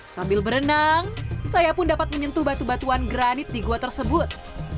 sambil berenang saya pun dapat menyentuh batu batuan granit di gua tersebut